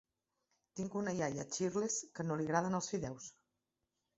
Tinc una iaia a Xirles que no li agraden els fideus: